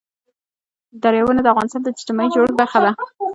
دریابونه د افغانستان د اجتماعي جوړښت برخه ده.